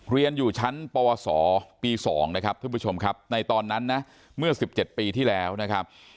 เรียนอยู่ชั้นปวสปี๒นะครับท่านผู้ชมครับในตอนนั้นนะเมื่อ๑๗ปีที่แล้วนะครับ